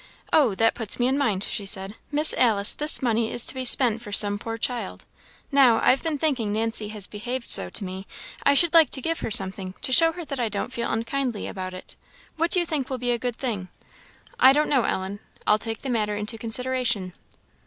"Oh, that puts me in mind!" she said. "Miss Alice, this money is to be spent for some poor child; now, I've been thinking Nancy has behaved so to me, I should like to give her something, to show her that I don't feel unkindly about it what do you think will be a good thing?" "I don't know, Ellen I'll take the matter into consideration."